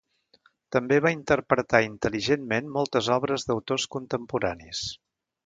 També va interpretar intel·ligentment moltes obres d'autors contemporanis.